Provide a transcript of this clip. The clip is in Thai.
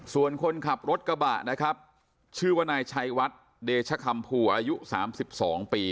ส่วนคนขับรถกระบะนะครับชื่อวนายชัยวัดเดชคัมภูอายุสามสิบสองปี